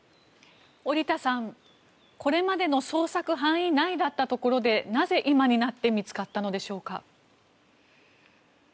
織田さん、これまでの捜索範囲内だったところでなぜ今になって見つかったのでしょうか。